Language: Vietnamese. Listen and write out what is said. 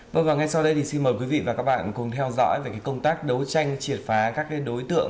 vâng và ngay sau đây thì xin mời quý vị và các bạn cùng theo dõi về công tác đấu tranh triệt phá các đối tượng